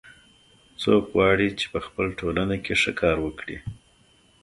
څوک غواړي چې په خپل ټولنه کې ښه کار وکړي